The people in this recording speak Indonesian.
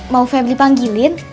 mau feb dipanggilin